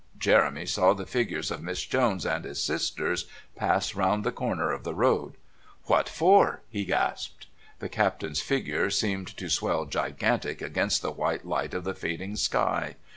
Jeremy saw the figures of Miss Jones and his sisters pass round the corner of the road. "What for?" he gasped. The Captain's figure seemed to swell gigantic against the white light of the fading sky.